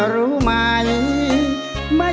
ร้องไห้ร้องไห้